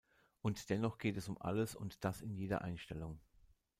Und dennoch geht es um alles und das in jeder Einstellung.